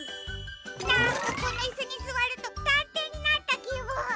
なんかこのイスにすわるとたんていになったきぶん。